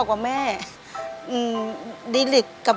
ขอบคุณครับ